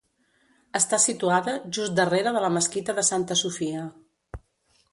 Està situada just darrere de la mesquita de Santa Sofia.